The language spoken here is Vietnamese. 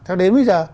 theo đến bây giờ